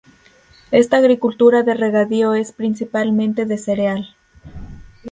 Esta agricultura de regadío es principalmente de cereal.